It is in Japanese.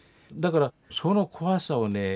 だからその怖さをね